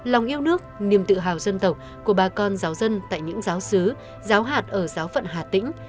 lòng yêu nước niềm tự hào dân tộc của bà con giáo dân tại những giáo sứ giáo hạt ở giáo phận hà tĩnh